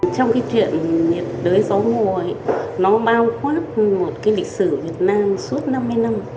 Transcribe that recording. trong chuyện nhiệt đới gió mùa nó bao quát một lịch sử việt nam suốt năm mươi năm